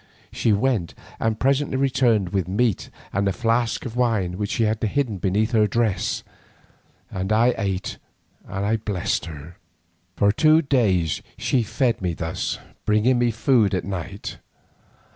She went and presently returned with meat and a flask of wine which she had hidden beneath her dress, and I ate and blessed her. For two days she fed me thus, bringing me food at night.